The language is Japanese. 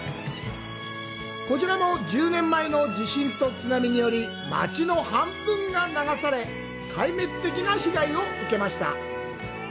こちらも１０年前の地震と津波により町の半分が流され壊滅的な被害を受けました。